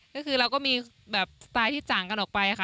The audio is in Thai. ก็คือเราก็มีแบบสไตล์ที่ต่างกันออกไปค่ะ